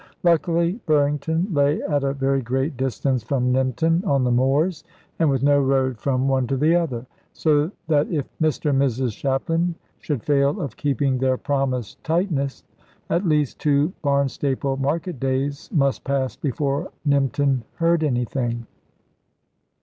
Luckily Burrington lay at a very great distance from Nympton on the Moors, and with no road from one to the other; so that if Mr and Mrs Shapland should fail of keeping their promised tightness, at least two Barnstaple market days must pass before Nympton heard anything.